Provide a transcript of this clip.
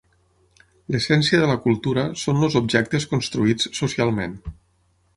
L'essència de la cultura són els objectes construïts socialment.